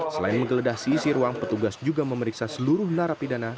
selain menggeledah sisi ruang petugas juga memeriksa seluruh narapidana